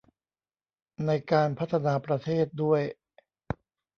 ในการพัฒนาประเทศด้วย